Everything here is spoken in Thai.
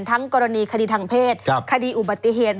กรณีคดีทางเพศคดีอุบัติเหตุ